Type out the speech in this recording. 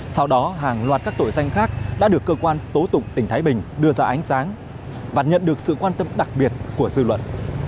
sau đó hàng loạt các tội danh khác đã được cơ quan tố tụng tỉnh thái bình đưa ra ánh sáng và nhận được sự quan tâm đặc biệt của dư luận